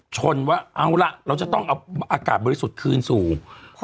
ชนว่าเอาล่ะเราจะต้องเอาอากาศบริสุทธิ์คืนสู่